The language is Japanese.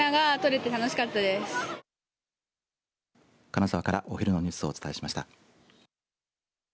金沢からお昼のニュースをお伝えしました。